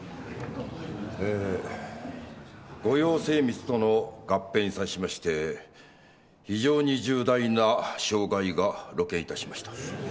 えー五洋精密との合併に際しまして非常に重大な障害が露見いたしました。